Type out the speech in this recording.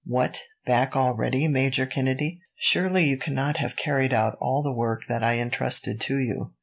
"What! Back already, Major Kennedy? Surely you cannot have carried out all the work that I entrusted to you?"